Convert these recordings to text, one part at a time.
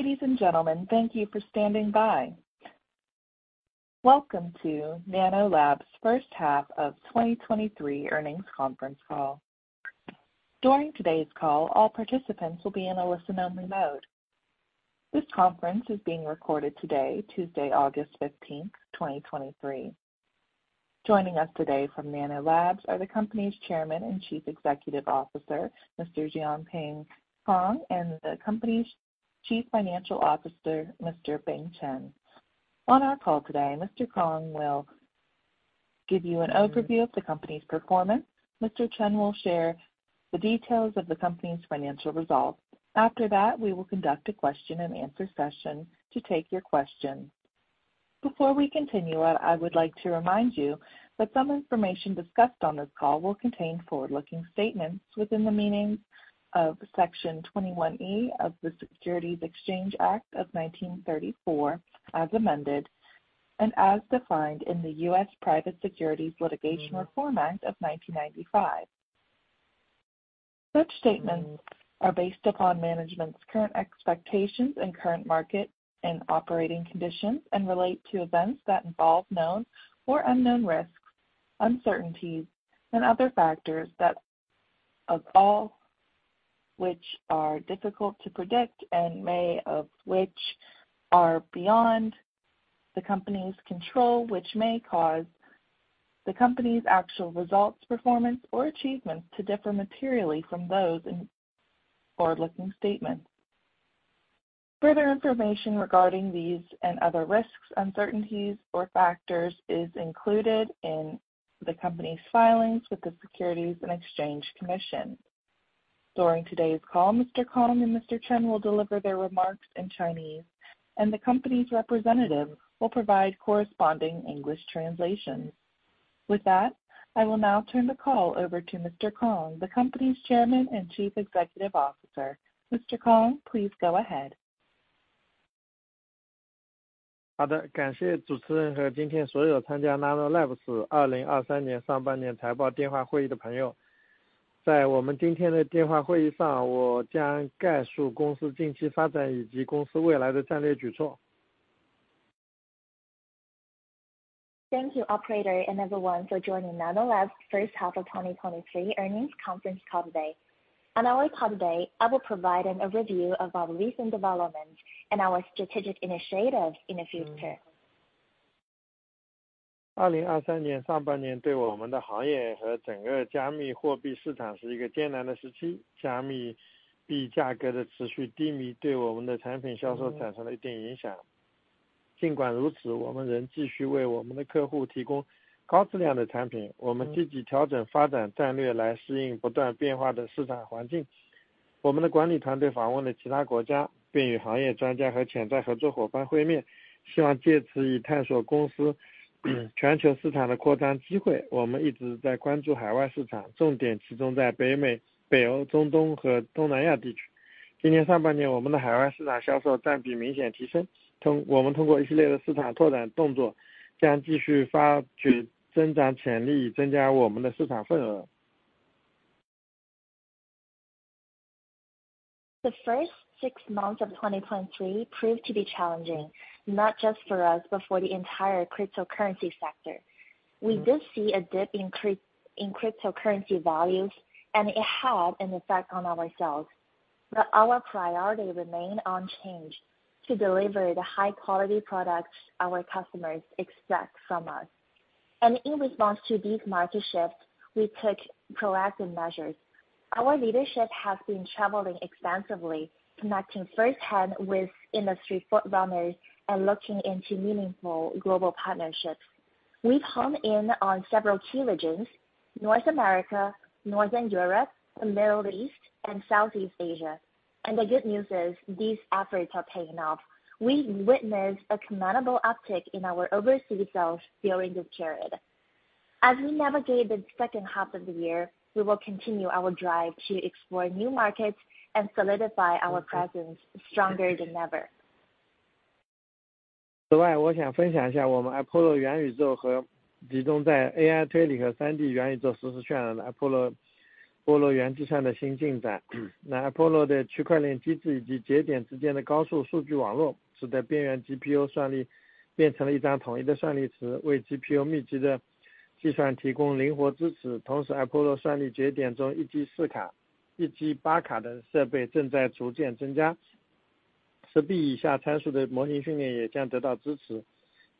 Ladies and gentlemen, thank you for standing by. Welcome to Nano Labs first half of 2023 earnings conference call. During today's call, all participants will be in a listen only mode. This conference is being recorded today, Tuesday, August 15th, 2023. Joining us today from Nano Labs are the company's Chairman and Chief Executive Officer, Mr. Jianping Kong, and the company's Chief Financial Officer, Mr. Bing Chen. On our call today, Mr. Kong will give you an overview of the company's performance. Mr. Chen will share the details of the company's financial results. After that, we will conduct a question and answer session to take your questions. Before we continue, I would like to remind you that some information discussed on this call will contain forward-looking statements within the meanings of Section 21E of the Securities Exchange Act of 1934, as amended, and as defined in the U.S. Private Securities Litigation Reform Act of 1995. Such statements are based upon management's current expectations and current market and operating conditions, and relate to events that involve known or unknown risks, uncertainties, and other factors that of all which are difficult to predict and may of which are beyond the company's control, which may cause the company's actual results, performance or achievements to differ materially from those in forward-looking statements. Further information regarding these and other risks, uncertainties or factors is included in the company's filings with the Securities and Exchange Commission. During today's call, Mr. Kong and Mr. Chen will deliver their remarks in Chinese, and the company's representative will provide corresponding English translations. With that, I will now turn the call over to Mr. Kong, the company's Chairman and Chief Executive Officer. Mr. Kong, please go ahead. 好 的， 感谢主持人和今天所有参加 Nano Labs 2023年上半年财报电话会议的朋友。在我们今天的电话会议 上， 我将概述公司近期发展以及公司未来的战略举措。Thank you, operator and everyone for joining Nano Labs first half of 2023 earnings conference call today. On our call today, I will provide an overview of our recent development and our strategic initiatives in the future. 2023年上半 年， 对我们的行业和整个加密货币市场是一个艰难的时期。加密币价格的持续低 迷， 对我们的产品销售产生了一定影响。尽管如 此， 我们仍继续为我们的客户提供高质量的产 品， 我们积极调整发展战 略， 来适应不断变化的市场环境。我们的管理团队访问了其他国 家， 并与行业专家和潜在合作伙伴会 面， 希望借此以探索公司全球市场的扩张机会。我们一直在关注海外市 场， 重点集中在北美、北欧、中东和东南亚地区。今年上半 年， 我们的海外市场销售占比明显提 升， 我们通过一系列的市场拓展动 作， 将继续发掘增长潜 力， 增加我们的市场份额。The first six months of 2023 proved to be challenging, not just for us, but for the entire cryptocurrency sector. We did see a dip in cryptocurrency values, and it had an effect on our sales. Our priority remained unchanged to deliver the high quality products our customers expect from us. In response to these market shifts, we took proactive measures. Our leadership has been traveling extensively, connecting firsthand with industry front runners, and looking into meaningful global partnerships. We've honed in on several key regions: North America, Northern Europe, the Middle East, and Southeast Asia. The good news is, these efforts are paying off. We witnessed a commendable uptick in our overseas sales during this period. As we navigate the second half of the year, we will continue our drive to explore new markets and solidify our presence stronger than ever. 此 外， 我想分享一下我们 Apollo 元宇宙和集中在 AI 推理和 3D 元宇宙实时渲染的阿波 罗， 波罗原基上的新进展。那 Apollo 的区块链机 制， 以及节点之间的高速数据网 络， 使得边缘 GPU 算力变成了一张统一的算力 池， 为 GPU 密集的计算提供灵活支持。同时 ，Apollo 算力节点中一机四卡、一机八卡的设备正在逐渐增加，十 B 以下参数的模型训练也将得到支持。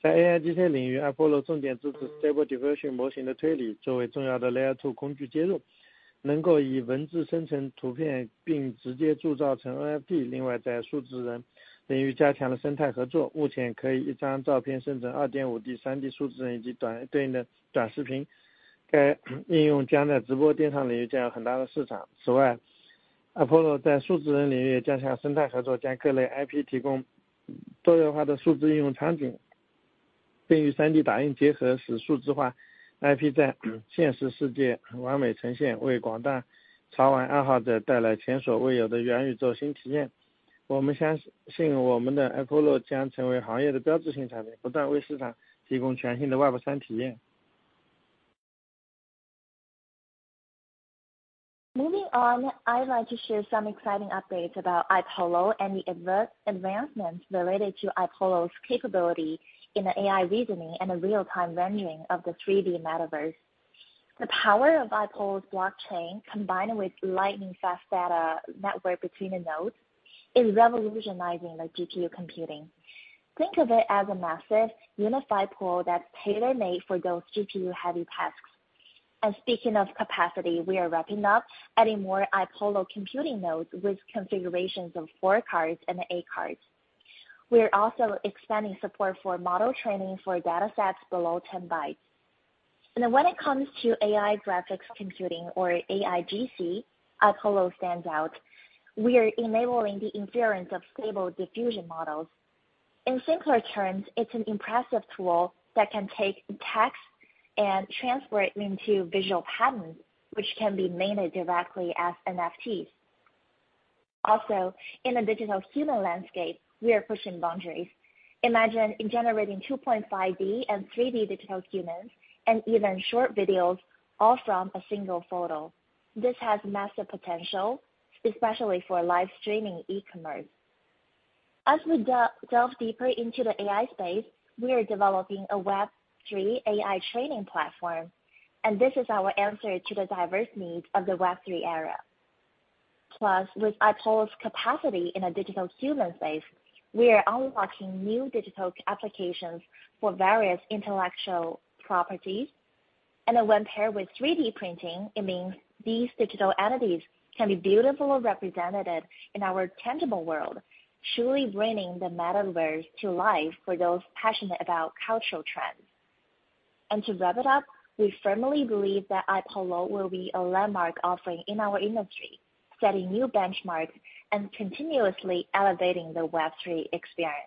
在 AIGC 领域 ，Apollo 重点支持 Stable Diffusion 模型的推 理， 作为重要的 Layer 2工具接 入， 能够以文字生成图 片， 并直接铸造成 NFT。另 外， 在数字人领域加强了生态合 作， 目前可以一张照片生成二点五 D、3D 数字 人， 以及短对应的短视频。该应用将在直播电商领域将有很大的市场。此外 ，Apollo 在数字人领域加强生态合 作， 将各类 IP 提供多样化的数字应用场 景， 并与 3D 打印结 合， 使数字化 IP 在现实世界完美呈 现， 为广大潮玩爱好者带来前所未有的元宇宙新体验。我们相 信， 我们的 Apollo 将成为行业的标志性产 品， 不断为市场提供全新的 Web 三体验。Moving on, I'd like to share some exciting updates about iPollo and the advancements related to iPollo's capability in the AI reasoning and the real-time rendering of the 3D Metaverse. The power of iPollo's blockchain, combined with lightning-fast data network between the nodes, is revolutionizing the GPU computing. Think of it as a massive unified pool that's tailor-made for those GPU-heavy tasks. Speaking of capacity, we are wrapping up adding more iPollo computing nodes with configurations of four cards and eight cards. We are also expanding support for model training for datasets below 10 bytes. When it comes to AI graphics computing or AIGC, iPollo stands out. We are enabling the inference of Stable Diffusion models. In simpler terms, it's an impressive tool that can take text and transfer it into visual patterns, which can be minted directly as NFTs. In the digital human landscape, we are pushing boundaries. Imagine generating 2.5D and 3D digital humans, and even short videos, all from a single photo. This has massive potential, especially for live streaming e-commerce. As we delve deeper into the AI space, we are developing a Web3 AI training platform, and this is our answer to the diverse needs of the Web3 era. Plus, with iPollo's capacity in a digital human space, we are unlocking new digital applications for various intellectual properties. When paired with 3D printing, it means these digital entities can be beautifully represented in our tangible world, truly bringing the Metaverse to life for those passionate about cultural trends. To wrap it up, we firmly believe that iPollo will be a landmark offering in our industry, setting new benchmarks and continuously elevating the Web3 experience.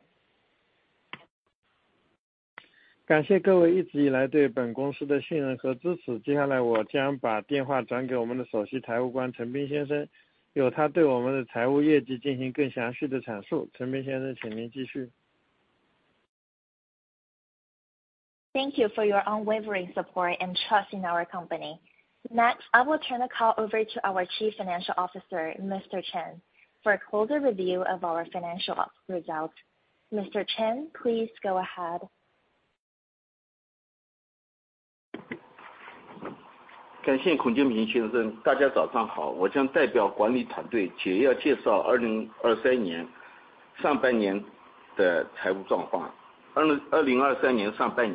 Thank you for your unwavering support and trust in our company. Next, I will turn the call over to our Chief Financial Officer, Mr. Chen, for a closer review of our financial results. Mr. Chen, please go ahead. Thank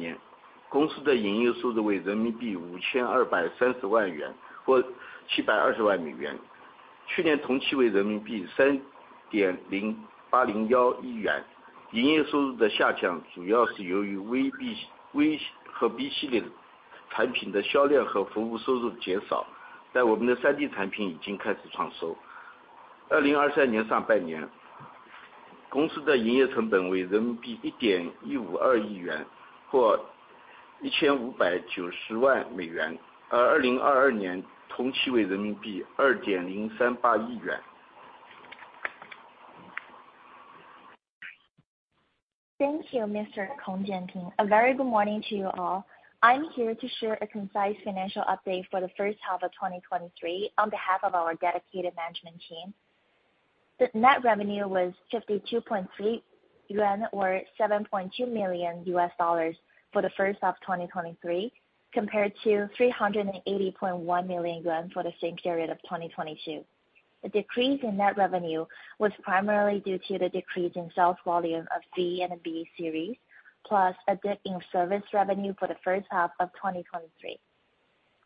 you, Mr. Kong Jianping. A very good morning to you all. I'm here to share a concise financial update for the first half of 2023 on behalf of our dedicated management team. The net revenue was 52.3 yuan, or $7.2 million for the first half of 2023, compared to 380.1 million yuan for the same period of 2022. The decrease in net revenue was primarily due to the decrease in sales volume of V and B series, plus a dip in service revenue for the first half of 2023.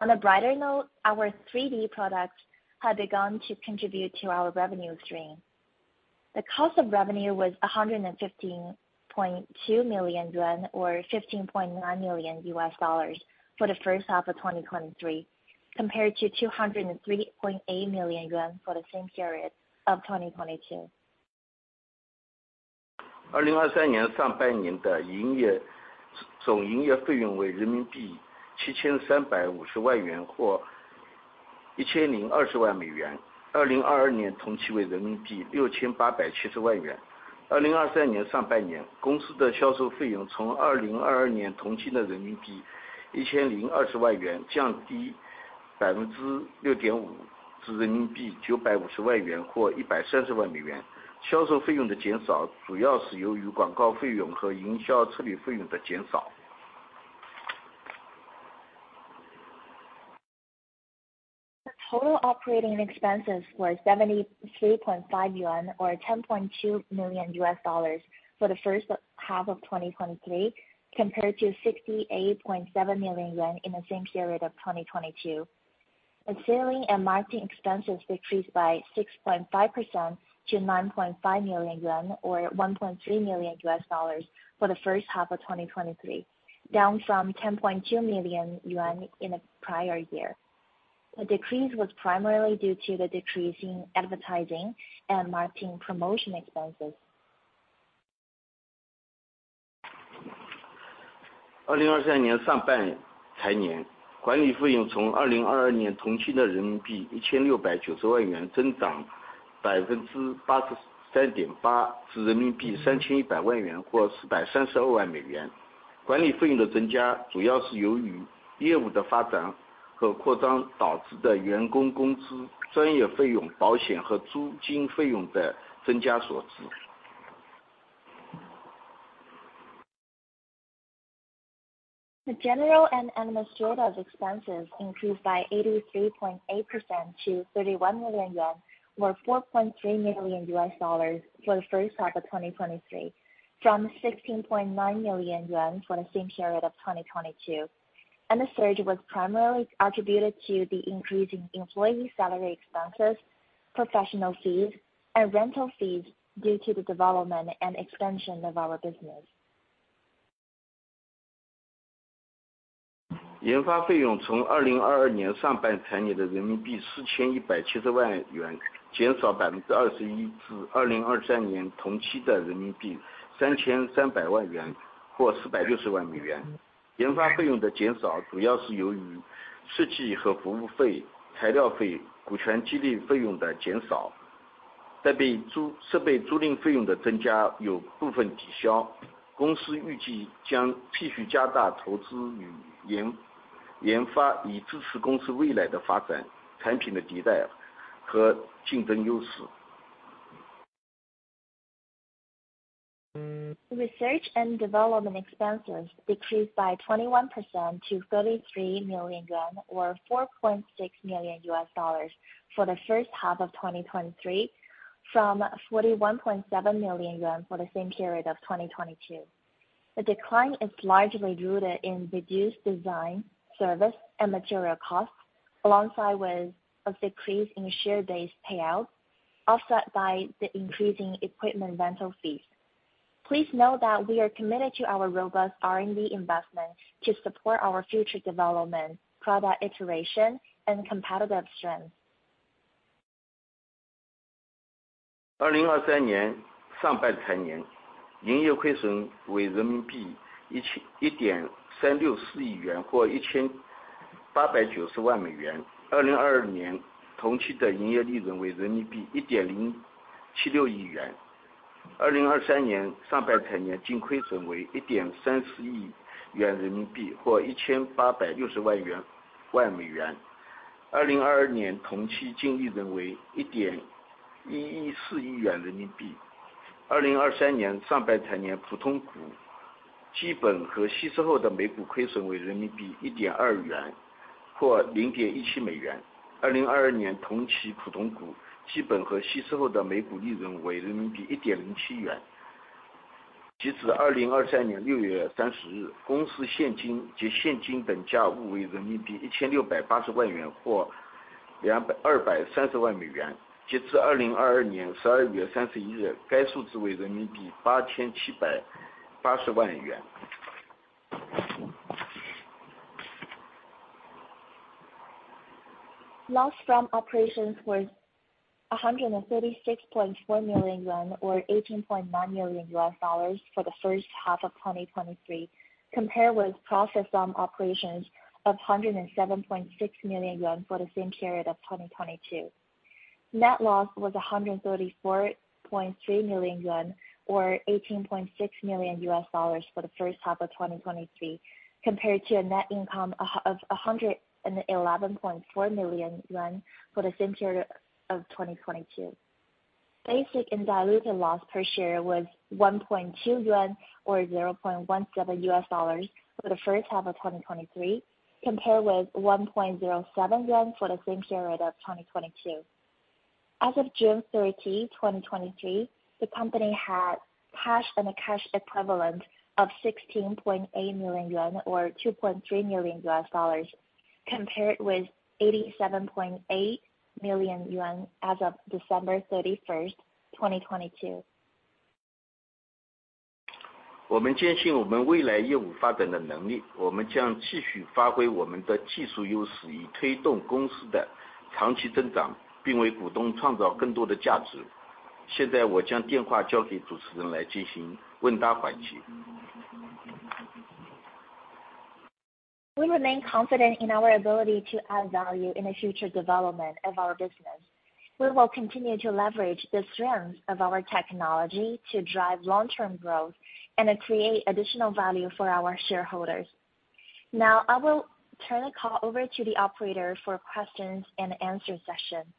On a brighter note, our 3D products have begun to contribute to our revenue stream. The cost of revenue was 115.2 million yuan, or $15.9 million for the first half of 2023, compared to RMB 203.8 million for the same period of 2022. Total operating expenses were 73.5 yuan, or $10.2 million for the first half of 2023, compared to 68.7 million yuan in the same period of 2022. The selling and marketing expenses decreased by 6.5% to 9.5 million yuan, or $1.3 million for the first half of 2023, down from 10.2 million yuan in the prior year. The decrease was primarily due to the decrease in advertising and marketing promotion expenses.... 百分之八十三点八至人民币三千一百万元或四百三十二万美元。管理费用的增加主要是由于业务的发展和扩张导致的员工工资、专业费用、保险和租金费用的增加所致。The general and administrative expenses increased by 83.8% to 31 million yuan, or $4.3 million for the first half of 2023, from 16.9 million yuan for the same period of 2022. The surge was primarily attributed to the increase in employee salary expenses, professional fees, and rental fees due to the development and expansion of our business. 研发费用从二零二二年上半财年的人民币四千一百七十万 元， 减少百分之二十一至二零二三年同期的人民币三千三百万元或四百六十万美元。研发费用的减少主要是由于世纪和服务费、材料 费， 股权激励费用的减 少， 但被租--设备租赁费用的增加有部分抵消。公司预计将继续加大投资与 研， 研 发， 以支持公司未来的发 展， 产品的迭代和竞争优势。Research and development expenses decreased by 21% to 33 million yuan, or $4.6 million for the first half of 2023, from 41.7 million yuan for the same period of 2022. The decline is largely rooted in reduced design, service and material costs, alongside with a decrease in share-based payouts, offset by the increasing equipment rental fees. Please note that we are committed to our robust R&D investment to support our future development, product iteration and competitive strength. 二零二三年上半财 年， 营业亏损为人民币一千--一点三六四亿元或一千八百九十万美元。二零二二年同期的营业利润为人民币一点零七六亿元。二零二三年上半财年净亏损为一点三十亿元人民 币， 或一千八百六十万 元， 万美元。二零二二年同期净利润为一点一一四亿元人民币。二零二三年上半财 年， 普通股基本和稀释后的每股亏损为人民币一点二元或零点一七美元。二零二二年同 期， 普通股基本和稀释后的每股利润为人民币一点零七元。截止二零二三年六月三十 日， 公司现金及现金等价物为人民币一千六百八十万 元， 或两百--二百三十万美元。截至二零二二年十二月三十一 日， 该数值为人民币八千七百八十万元。Loss from operations was 136.4 million yuan, or $18.9 million for the first half of 2023, compared with profits from operations of 107.6 million yuan for the same period of 2022. Net loss was 134.3 million yuan, or $18.6 million for the first half of 2023, compared to a net income of 111.4 million yuan for the same period of 2022. Basic and diluted loss per share was 1.2 yuan, or $0.17 for the first half of 2023, compared with 1.07 yuan for the same period of 2022. As of June 30, 2023, the company had cash and cash equivalent of 16.8 million yuan, or $2.3 million, compared with 87.8 million yuan as of December 31st, 2022. 我们坚信我们未来业务发展的能 力， 我们将继续发挥我们的技术优 势， 以推动公司的长期增 长， 并为股东创造更多的价值。现在我将电话交给主持人来进行问答环节。We remain confident in our ability to add value in the future development of our business. We will continue to leverage the strengths of our technology to drive long-term growth and create additional value for our shareholders. Now, I will turn the call over to the operator for questions and answer session.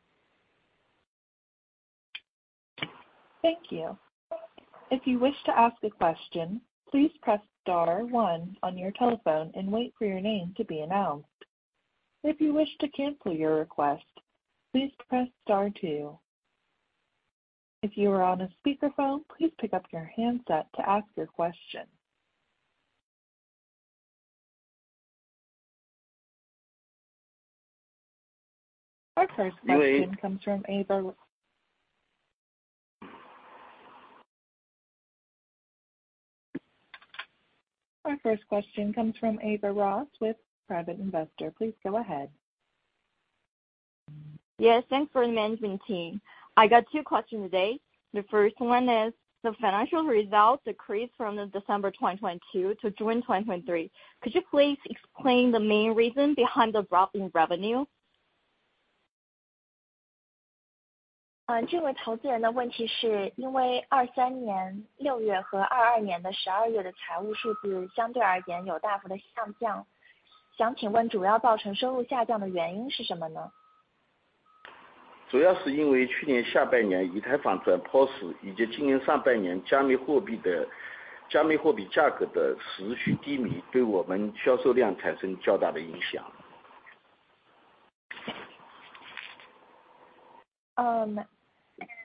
Thank you. If you wish to ask a question, please press star one on your telephone and wait for your name to be announced. If you wish to cancel your request, please press star two. If you are on a speakerphone, please pick up your handset to ask your question. Our first question comes from Eva Ross with Private Investor. Please go ahead. Yes, thanks for the management team. I got two questions today. The first one is, the financial results decreased from the December 2022 to June 2023. Could you please explain the main reason behind the drop in revenue? ...这位投资人的问题 是： 因为 2023年6月 和 2022年12月 的财务数字相对而言有大幅的下 降， 想请问主要造成收入下降的原因是什么 呢？ 主要是因为去年下半年以太坊转 POS， 以及今年上半年加密货币 的， 加密货币价格的持续低 迷， 对我们销售量产生较大的影响。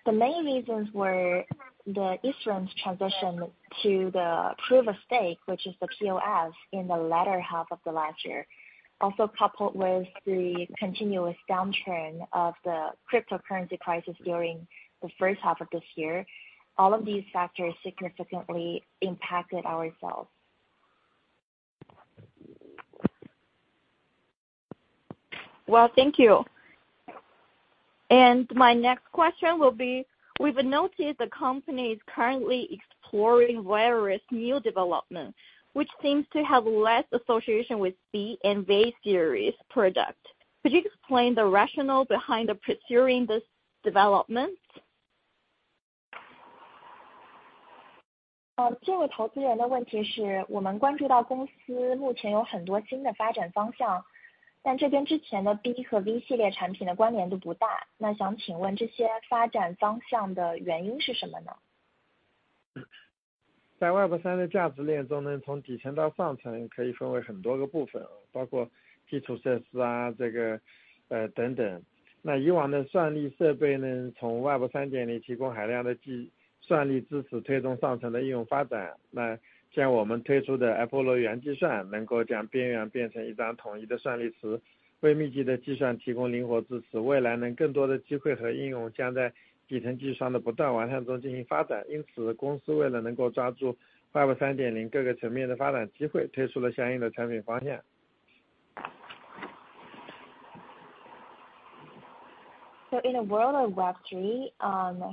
The main reasons were the Ethereum's transition to the Proof of Stake, which is the PoS in the latter half of the last year, also coupled with the continuous downturn of the cryptocurrency crisis during the first half of this year. All of these factors significantly impacted ourselves. Well, thank you. My next question will be: We've noticed the company is currently exploring various new development, which seems to have less association with B and V Series product. Could you explain the rationale behind the pursuing this development? 呃， 这位投资人的问题 是： 我们关注到公司目前有很多新的发展方 向， 但这边之前的 B 和 V 系列产品的关联度不 大， 那想请问这些发展方向的原因是什么 呢？ 在 Web3 的价值链中 呢， 从底层到上层可以分为很多个部 分， 包括基础设施 啊， 这 个， 等等。那以往的算力设备 呢， 从 Web3.0 提供海量的计算力支 持， 推动上层的应用发展。那像我们推出的 Apollo， 能够将边缘变成一张统一的算力 池， 为密集的计算提供灵活支 持， 未来能更多的机会和应用将在底层技术上的不断完善中进行发展。因 此， 公司为了能够抓住 Web3.0 各个层面的发展机 会， 推出了相应的产品方向。In a world of Web3,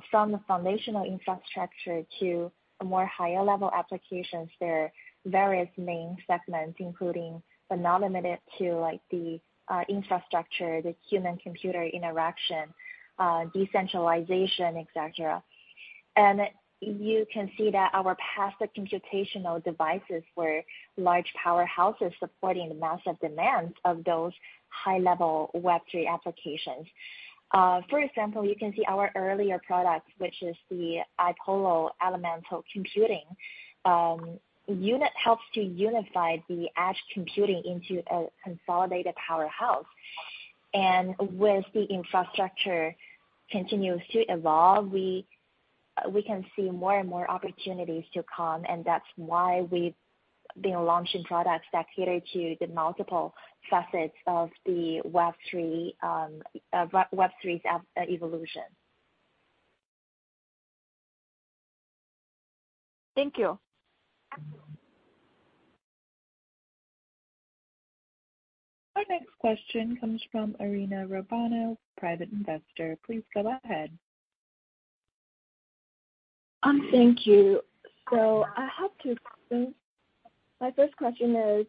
from the foundational infrastructure to a more higher level applications, there are various main segments, including but not limited to, like the infrastructure, the human-computer interaction, decentralization, etc. You can see that our past computational devices were large powerhouses supporting the massive demand of those high-level Web3 applications. For example, you can see our earlier products, which is the Apollo, unit helps to unify the edge computing into a consolidated powerhouse. With the infrastructure continues to evolve, we can see more and more opportunities to come, and that's why we've been launching products that cater to the multiple facets of the Web3's evolution. Thank you. Our next question comes from Irena Rabanne, private investor. Please go ahead. Thank you. I have two questions. My first question is: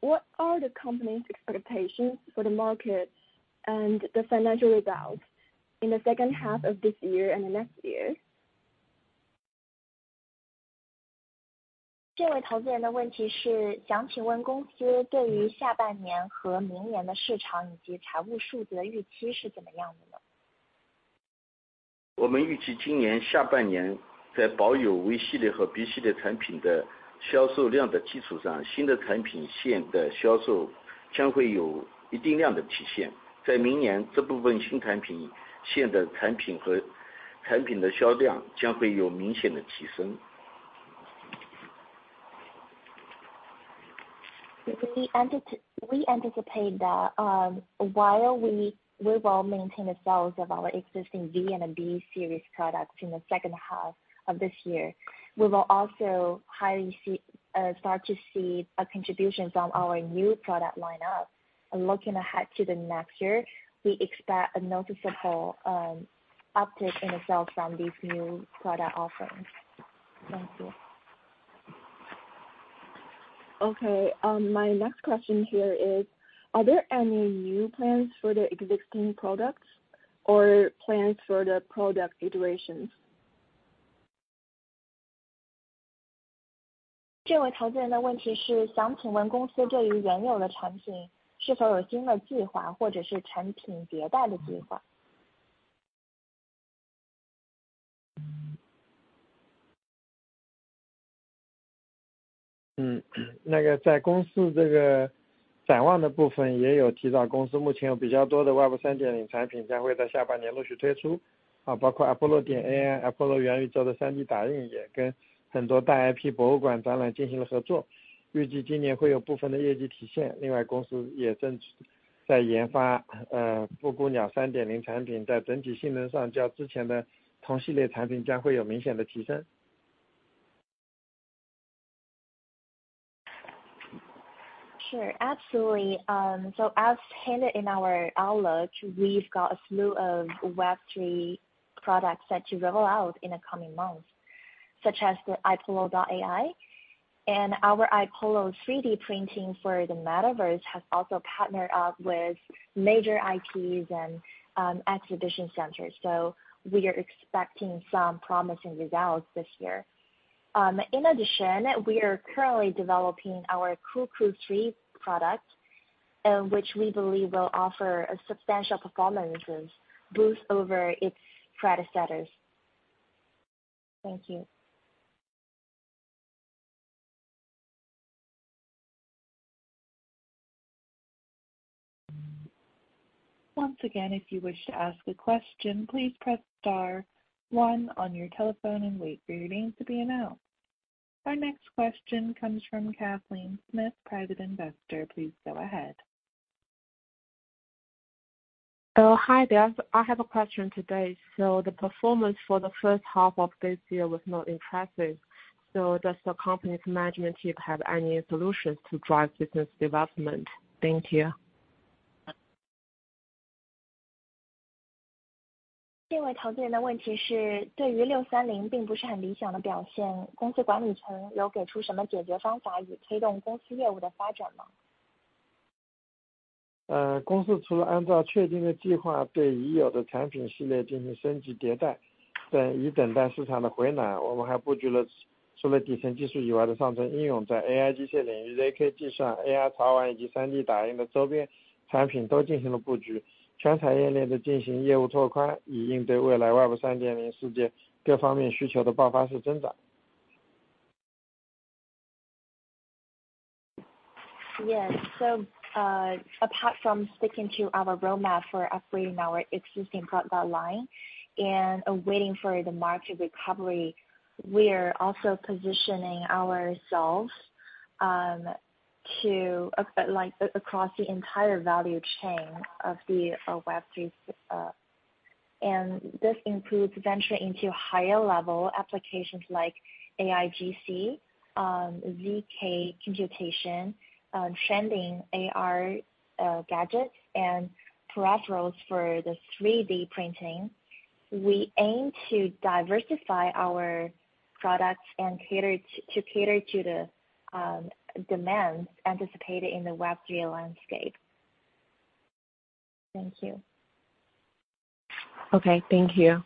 what are the company's expectations for the market and the financial results in the second half of this year and the next year? 这位投资人的问题 是： 想请问公司对于下半年和明年的市场以及财务数字的预期是怎么样的 呢？ 我们预期今年下半 年， 在保有 V 系列和 B 系列产品的销售量的基础 上， 新的产品线的销售将会有一定量的体现。在明 年， 这部分新产品线的产品和产品的销量将会有明显的提升。We anti-we anticipate that, while we will maintain the sales of our existing V and B series products in the second half of this year, we will also highly see, start to see a contribution from our new product lineup. Looking ahead to the next year, we expect a noticeable uptick in sales from these new product offerings. Thank you. Okay. my next question here is: Are there any new plans for the existing products or plans for the product iterations? 这位投资人的问题 是： 想请问公司对于原有的产品是否有新的计 划， 或者是产品迭代的计 划？ 在公司这个展望的部分也有提 到， 公司目前有比较多的 Web3.0 产品将会在下半年陆续推 出， 包括 iPollo.ai、iPolloverse 的 3D printing， 也跟很多 major IPs 博物馆展览进行了合 作， 预计今年会有部分的业绩体现。另 外， 公司也正在研发 Cuckoo 3.0 产 品， 在整体性能上较之前的同系列产品将会有明显的提升。Sure, absolutely. So as stated in our outlook, we've got a slew of Web3 products set to roll out in the coming months, such as the ipollo.ai, and our iPollo three-D printing for the Metaverse has also partnered up with major IPs and exhibition centers, so we are expecting some promising results this year. In addition, we are currently developing our Cuckoo 3 product, which we believe will offer a substantial performance boost over its predecessors. Thank you. Once again, if you wish to ask a question, please press star one on your telephone and wait for your name to be announced. Our next question comes from Kathleen Smith, private investor. Please go ahead. Hi there. I have a question today. The performance for the first half of this year was not impressive. Does the company's management team have any solutions to drive business development? Thank you. Yes. Apart from sticking to our roadmap for upgrading our existing product line and awaiting for the market recovery, we're also positioning ourselves across the entire value chain of the Web3. This includes venturing into higher level applications like AIGC, ZK computation, trending AR gadgets and peripherals for the 3D printing. We aim to diversify our products and cater to the demands anticipated in the Web3 landscape. Thank you. Okay, thank you.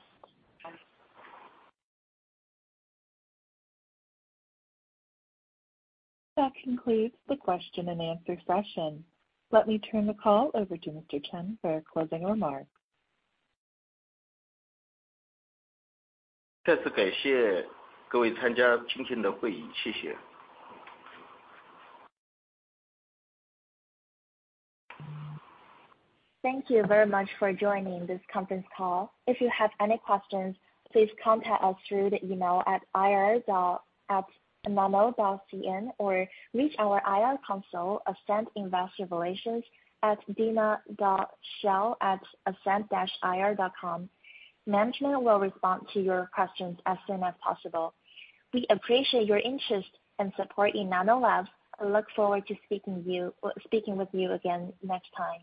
That concludes the question and answer session. Let me turn the call over to Mr. Chen for our closing remarks. Thank you very much for joining this conference call. If you have any questions, please contact us through the email at ir@nano.cn, or reach our IR counsel, Ascent Investor Relations at tina.xiao@ascent-ir.com. Management will respond to your questions as soon as possible. We appreciate your interest and support in Nano Labs, and look forward to speaking you, speaking with you again next time.